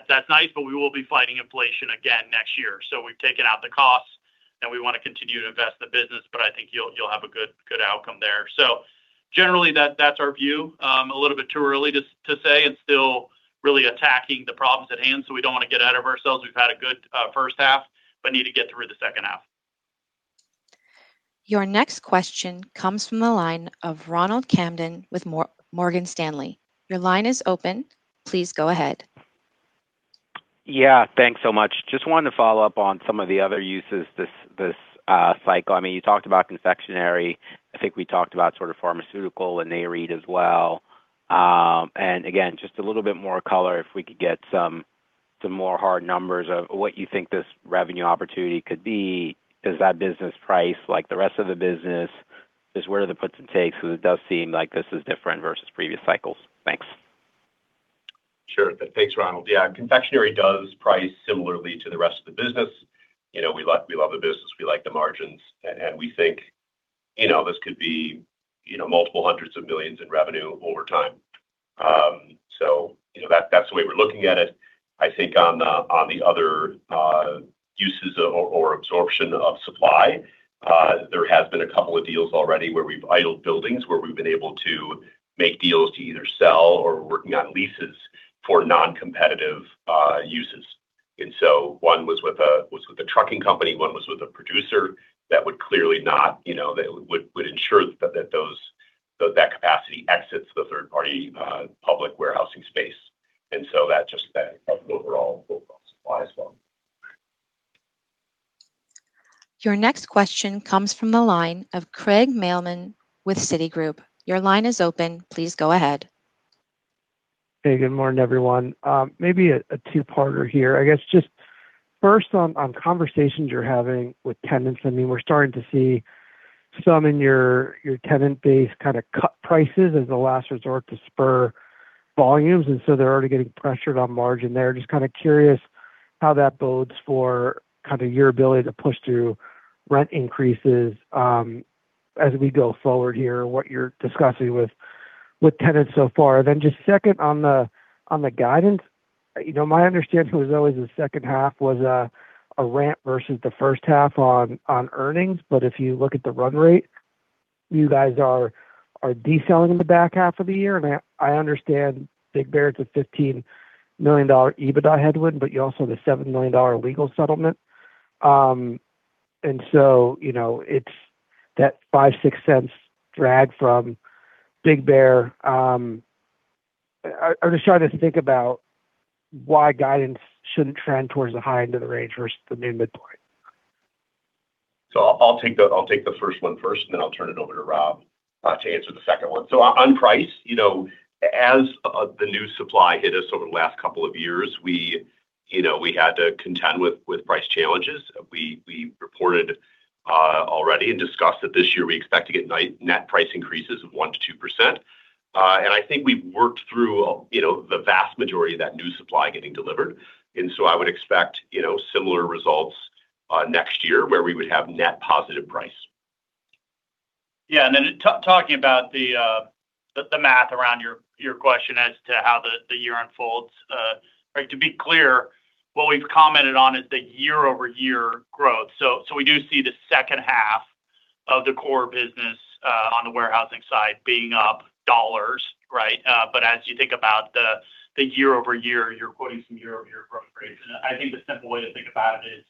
That's nice, but we will be fighting inflation again next year. We've taken out the costs, and we want to continue to invest in the business, but I think you'll have a good outcome there. Generally, that's our view. A little bit too early to say and still really attacking the problems at hand. We don't want to get out of ourselves. We've had a good first half, but need to get through the second half. Your next question comes from the line of Ronald Kamdem with Morgan Stanley. Your line is open. Please go ahead. Thanks so much. Just wanted to follow up on some of the other uses this cycle. You talked about confectionery. I think we talked about sort of pharmaceutical and Nareit as well. Just a little bit more color if we could get some more hard numbers of what you think this revenue opportunity could be. Is that business priced like the rest of the business? Just where are the puts and takes? It does seem like this is different versus previous cycles. Thanks. Sure. Thanks, Ronald. Confectionery does price similarly to the rest of the business. We love the business, we like the margins, and we think this could be multiple hundreds of millions in revenue over time. That's the way we're looking at it. I think on the other uses or absorption of supply, there has been a couple of deals already where we've idled buildings where we've been able to make deals to either sell or we're working on leases for non-competitive uses. One was with a trucking company, one was with a producer that would ensure that that capacity exits the third-party public warehousing space. That just helped overall supply as well. Your next question comes from the line of Craig Mailman with Citi. Your line is open. Please go ahead. Hey, good morning, everyone. Maybe a two-parter here. I guess just first on conversations you're having with tenants. We're starting to see Some in your tenant base kind of cut prices as a last resort to spur volumes. They're already getting pressured on margin there. Just kind of curious how that bodes for your ability to push through rent increases as we go forward here, what you're discussing with tenants so far. Just second on the guidance. My understanding was always the second half was a ramp versus the first half on earnings, but if you look at the run rate, you guys are de-selling in the back half of the year. I understand Big Bear, it's a $15 million EBITDA headwind, but you also have the $7 million legal settlement. It's that $0.05, $0.06 drag from Big Bear. I'm just trying to think about why guidance shouldn't trend towards the high end of the range versus the midpoint. I'll take the first one first, then I'll turn it over to Rob to answer the second one. On price, as the new supply hit us over the last couple of years, we had to contend with price challenges. We reported already and discussed that this year we expect to get net price increases of 1%-2%. I think we've worked through the vast majority of that new supply getting delivered. I would expect similar results next year where we would have net positive price. Yeah. Talking about the math around your question as to how the year unfolds. To be clear, what we've commented on is the year-over-year growth. We do see the second half of the core business on the warehousing side being up dollars. As you think about the year-over-year, you're quoting some year-over-year growth rates. I think the simple way to think about it is,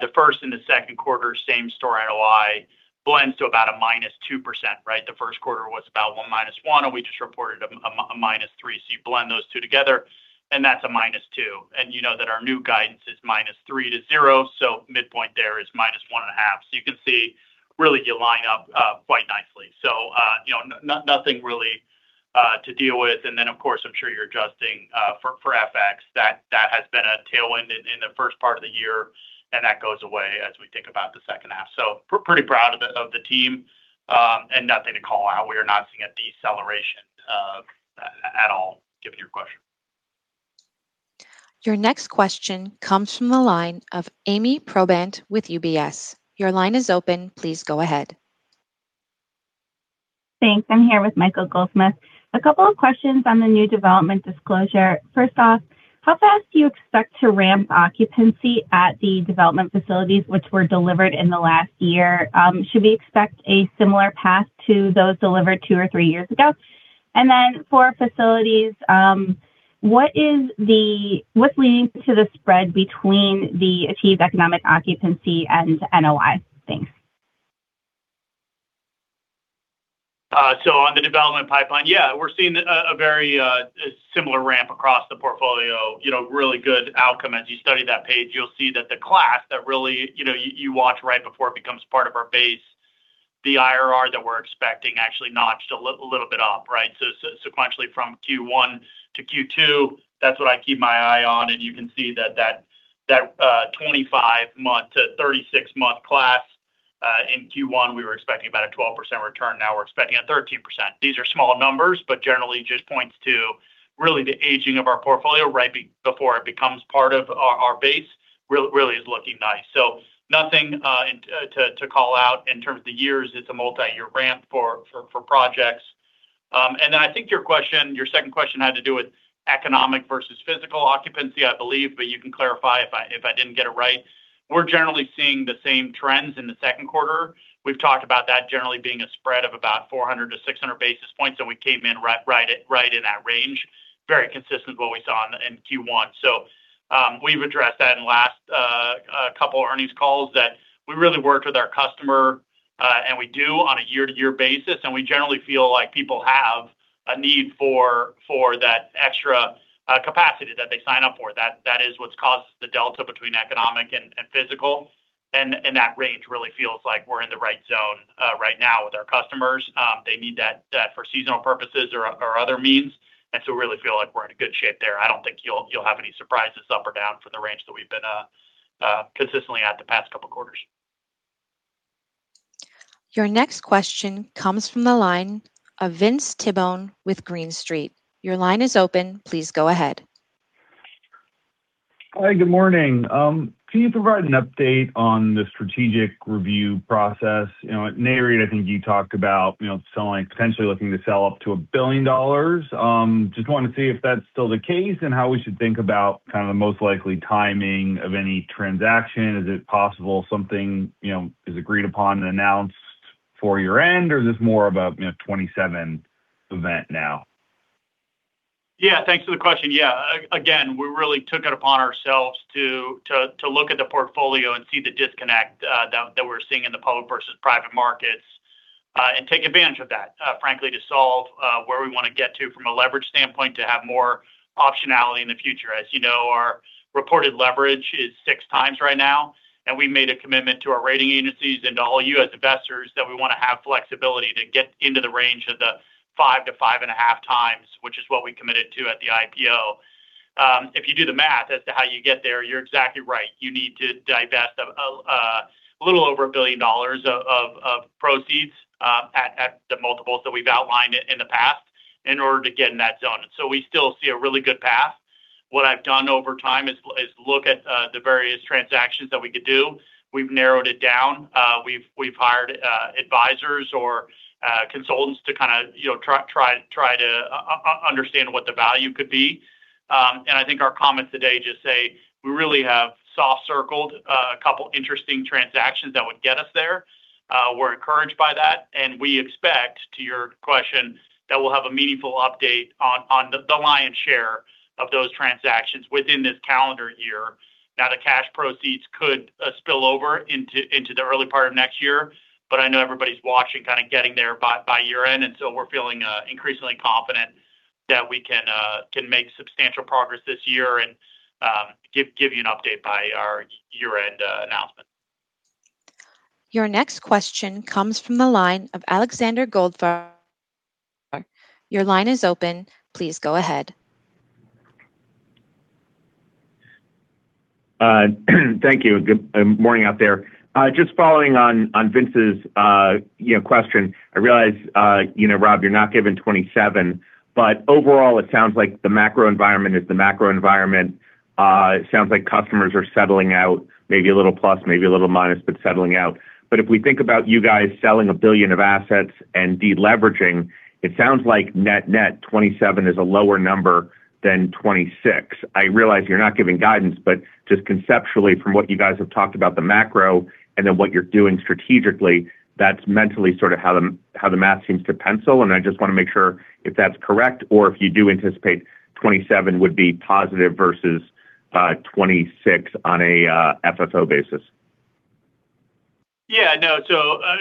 the first and the second quarter, same store NOI blends to about a -2%. The first quarter was about a -1%, and we just reported a -3%. You blend those two together, and that's a -2%. You know that our new guidance is -3% to 0%, so midpoint there is -1.5%. You can see really you line up quite nicely. Nothing really to deal with. Of course, I'm sure you're adjusting for FX. That has been a tailwind in the first part of the year, and that goes away as we think about the second half. Pretty proud of the team, nothing to call out. We are not seeing a deceleration at all, given your question. Your next question comes from the line of Ami Probandt with UBS. Your line is open. Please go ahead. Thanks. I am here with Michael Goldsmith. A couple of questions on the new development disclosure. First off, how fast do you expect to ramp occupancy at the development facilities which were delivered in the last year? Should we expect a similar path to those delivered two or three years ago? For facilities, what is leading to the spread between the achieved economic occupancy and NOI? Thanks. On the development pipeline, yeah, we are seeing a very similar ramp across the portfolio. Really good outcome. As you study that page, you will see that the class that really you watch right before it becomes part of our base, the IRR that we are expecting actually notched a little bit up. Sequentially from Q1 to Q2, that is what I keep my eye on. You can see that 25 month to 36 month class in Q1, we were expecting about a 12% return. Now we are expecting a 13%. These are small numbers, but generally just points to really the aging of our portfolio right before it becomes part of our base really is looking nice. Nothing to call out in terms of the years. It is a multi-year ramp for projects. I think your second question had to do with economic versus physical occupancy, I believe, but you can clarify if I did not get it right. We are generally seeing the same trends in the second quarter. We have talked about that generally being a spread of about 400-600 basis points, and we came in right in that range. Very consistent with what we saw in Q1. We have addressed that in the last couple earnings calls that we really worked with our customer, and we do on a year-to-year basis. We generally feel like people have a need for that extra capacity that they sign up for. That is what has caused the delta between economic and physical. That range really feels like we are in the right zone right now with our customers. They need that for seasonal purposes or other means. We really feel like we are in good shape there. I do not think you will have any surprises up or down for the range that we have been consistently at the past couple quarters. Your next question comes from the line of Vince Tibone with Green Street. Your line is open. Please go ahead. Hi, good morning. Can you provide an update on the strategic review process? At Nareit, I think you talked about potentially looking to sell up to $1 billion. Just wanted to see if that's still the case and how we should think about kind of the most likely timing of any transaction. Is it possible something is agreed upon and announced for year-end, or is this more of a 2027 event now? Thanks for the question. Again, we really took it upon ourselves to look at the portfolio and see the disconnect that we're seeing in the public versus private markets, and take advantage of that, frankly, to solve where we want to get to from a leverage standpoint to have more optionality in the future. As you know, our reported leverage is 6x right now. We made a commitment to our rating agencies and to all you as investors that we want to have flexibility to get into the range of the 5x-5.5x, which is what we committed to at the IPO. If you do the math as to how you get there, you're exactly right. You need to divest a little over $1 billion of proceeds at the multiples that we've outlined in the past in order to get in that zone. We still see a really good path. What I've done over time is look at the various transactions that we could do. We've narrowed it down. We've hired advisors or consultants to try to understand what the value could be. I think our comments today just say we really have soft circled a couple interesting transactions that would get us there. We're encouraged by that, and we expect, to your question, that we'll have a meaningful update on the lion's share of those transactions within this calendar year. The cash proceeds could spill over into the early part of next year, but I know everybody's watching, kind of getting there by year-end. We're feeling increasingly confident that we can make substantial progress this year and give you an update by our year-end announcement. Your next question comes from the line of Alexander Goldfarb. Your line is open. Please go ahead. Thank you. Good morning out there. Just following on Vince's question, I realize, Robb, you're not giving 2027, overall, it sounds like the macro environment is the macro environment. It sounds like customers are settling out, maybe a little plus, maybe a little minus, but settling out. If we think about you guys selling $1 billion of assets and de-leveraging, it sounds like net 2027 is a lower number than 2026. I realize you're not giving guidance, just conceptually, from what you guys have talked about the macro and then what you're doing strategically, that's mentally how the math seems to pencil, and I just want to make sure if that's correct or if you do anticipate 2027 would be positive versus 2026 on a FFO basis. Yeah. No.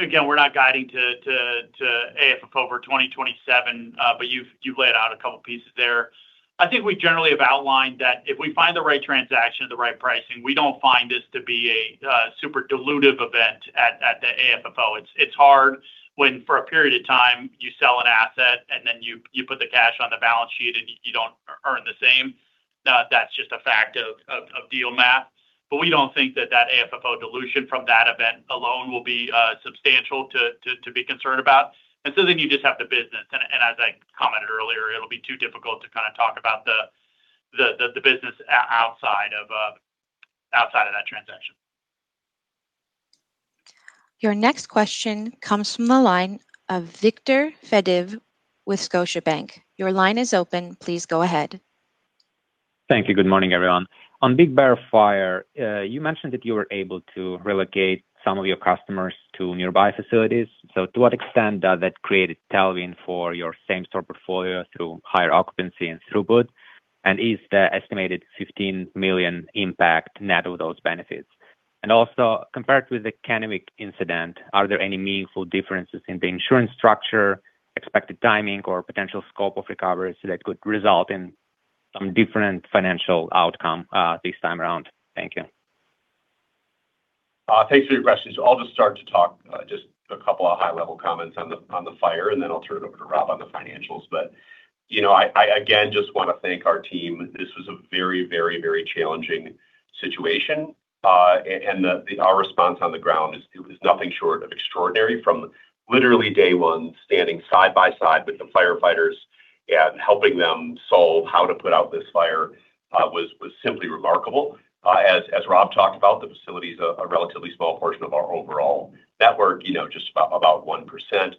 Again, we're not guiding to AFFO for 2027, but you've laid out a couple pieces there. I think we generally have outlined that if we find the right transaction at the right pricing, we don't find this to be a super dilutive event at the AFFO. It's hard when for a period of time you sell an asset and then you put the cash on the balance sheet and you don't earn the same. That's just a fact of deal math. We don't think that that AFFO dilution from that event alone will be substantial to be concerned about. Then you just have the business, and as I commented earlier, it'll be too difficult to talk about the business outside of that transaction. Your next question comes from the line of Viktor Fediv with Scotiabank. Your line is open. Please go ahead. Thank you. Good morning, everyone. On Big Bear Fire, you mentioned that you were able to relocate some of your customers to nearby facilities. To what extent does that create a tailwind for your same-store portfolio through higher occupancy and throughput? Is the estimated $15 million impact net of those benefits? Also, compared with the Kennewick incident, are there any meaningful differences in the insurance structure, expected timing, or potential scope of recoveries that could result in some different financial outcome this time around? Thank you. Thanks for your questions. I'll just start to talk just a couple of high-level comments on the fire, then I'll turn it over to Rob on the financials. I, again, just want to thank our team. This was a very challenging situation, our response on the ground is nothing short of extraordinary from literally day one, standing side by side with the firefighters and helping them solve how to put out this fire was simply remarkable. As Rob talked about, the facility's a relatively small portion of our overall network, just about 1%.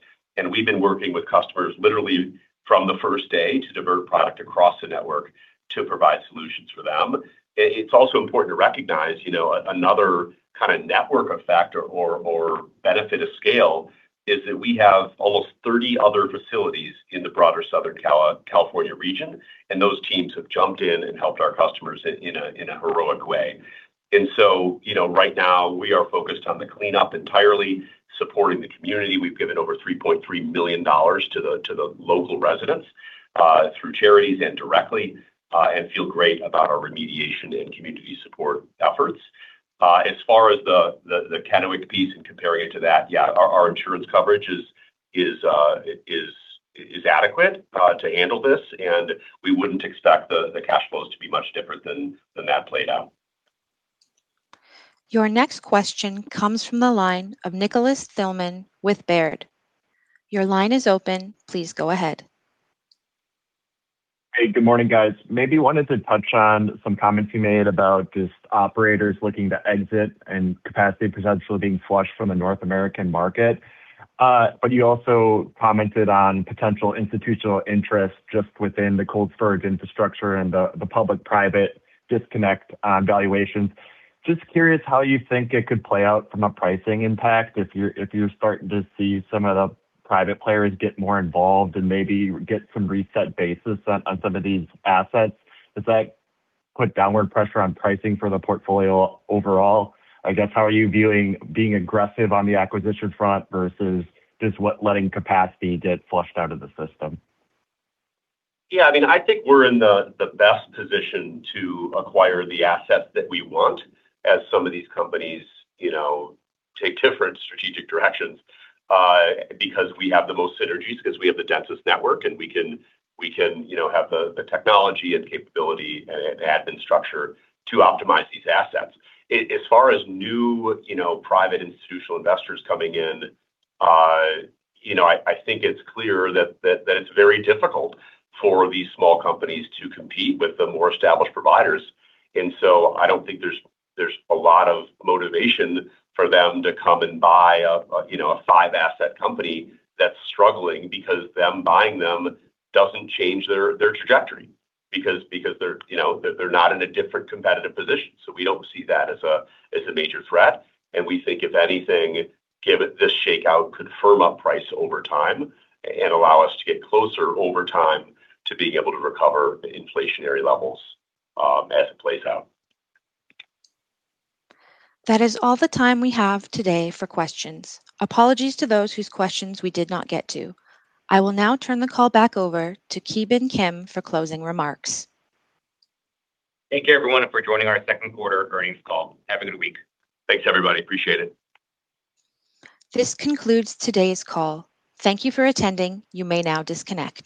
We've been working with customers literally from the first day to divert product across the network to provide solutions for them. It's also important to recognize another kind of network effect or benefit of scale is that we have almost 30 other facilities in the broader Southern California region, those teams have jumped in and helped our customers in a heroic way. Right now we are focused on the cleanup entirely, supporting the community. We've given over $3.3 million to the local residents through charities and directly, feel great about our remediation and community support efforts. As far as the Kennewick piece and comparing it to that, yeah, our insurance coverage is adequate to handle this, we wouldn't expect the cash flows to be much different than that played out. Your next question comes from the line of Nicholas Stillman with Baird. Your line is open. Please go ahead. Hey, good morning, guys. You also commented on potential institutional interest just within the cold storage infrastructure and the public-private disconnect on valuations. Just curious how you think it could play out from a pricing impact if you're starting to see some of the private players get more involved and maybe get some reset basis on some of these assets. Does that put downward pressure on pricing for the portfolio overall? I guess, how are you viewing being aggressive on the acquisition front versus just letting capacity get flushed out of the system? Yeah, I think we're in the best position to acquire the assets that we want as some of these companies take different strategic directions. Because we have the most synergies, because we have the densest network, and we can have the technology and capability and admin structure to optimize these assets. As far as new private institutional investors coming in, I think it's clear that it's very difficult for these small companies to compete with the more established providers. I don't think there's a lot of motivation for them to come and buy a five-asset company that's struggling because them buying them doesn't change their trajectory. Because they're not in a different competitive position. We don't see that as a major threat, and we think if anything, given this shakeout could firm up price over time and allow us to get closer over time to being able to recover inflationary levels as it plays out. That is all the time we have today for questions. Apologies to those whose questions we did not get to. I will now turn the call back over to Ki Bin Kim for closing remarks. Thank you, everyone, for joining our second quarter earnings call. Have a good week. Thanks, everybody. Appreciate it. This concludes today's call. Thank you for attending. You may now disconnect.